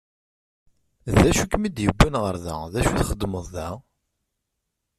D acu i kem-id-yewwin ɣer da, d acu i txeddmeḍ da?